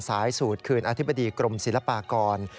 สายสูตรคืนอธิบดีกรมศิลปากร